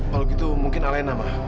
kalau gitu mungkin alena mbak